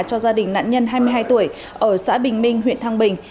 cho gia đình nạn nhân hai mươi hai tuổi ở xã bình minh huyện thăng bình